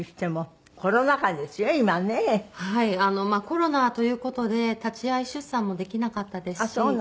コロナという事で立ち会い出産もできなかったですし。